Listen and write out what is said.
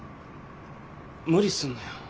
無理すんなよ。